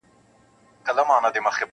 • د موږک پر کور مېلمه د غم مرګی سو..